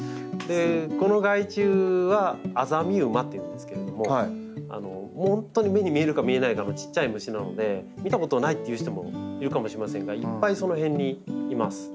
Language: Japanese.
この害虫はアザミウマというんですけども本当に目に見えるか見えないかのちっちゃい虫なので見たことないっていう人もいるかもしれませんがいっぱいその辺にいます。